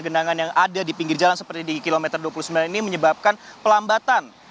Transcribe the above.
genangan yang ada di pinggir jalan seperti di kilometer dua puluh sembilan ini menyebabkan pelambatan